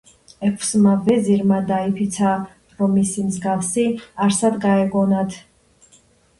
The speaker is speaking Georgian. ექვსმა ვეზირმა დაიფიცა, რომ მისი მსგავსი არსად გაეგონათ